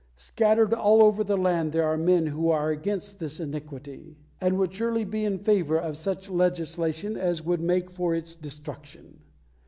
Scattered all over the land there are men who are against this iniquity, and would surely be in favour of such legislation as would make for its destruction.